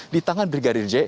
di tangan brigadir j